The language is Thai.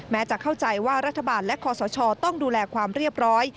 จะเข้าใจว่ารัฐบาลและคอสชต้องดูแลความเรียบร้อย